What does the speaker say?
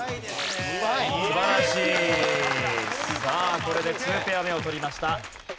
さあこれでツーペア目を取りました。